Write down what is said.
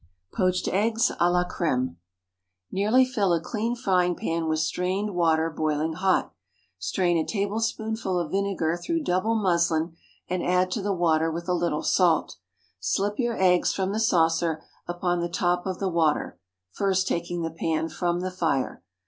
POACHED EGGS À LA CRÈME. ✠ Nearly fill a clean frying pan with strained water boiling hot; strain a tablespoonful of vinegar through double muslin, and add to the water with a little salt. Slip your eggs from the saucer upon the top of the water (first taking the pan from the fire.)